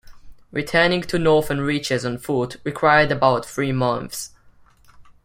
Returning to northern reaches on foot required about three months.